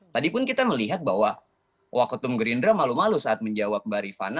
tadi pun kita melihat bahwa wakatum gerindra malu malu saat menjawab barifana